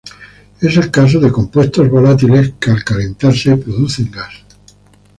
Es el caso de compuestos volátiles que al calentarse producen gas.